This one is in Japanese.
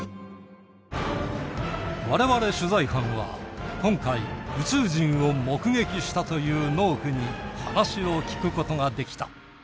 我々取材班は今回宇宙人を目撃したという農夫に話を聞くことができた。